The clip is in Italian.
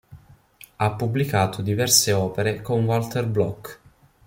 Ha pubblicato diverse opere con Walter Block.